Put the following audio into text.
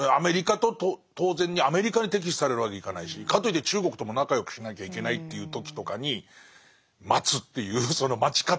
当然にアメリカに敵視されるわけにはいかないしかといって中国とも仲良くしなきゃいけないっていう時とかに待つっていうその待ち方。